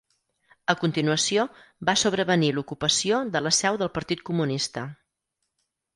A continuació, va sobrevenir l'ocupació de la seu del Partit Comunista.